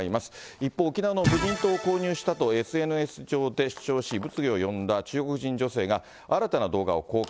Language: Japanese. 一方、沖縄の無人島を購入したと、ＳＮＳ上で主張し、物議を呼んだ中国人女性が、新たな動画を公開。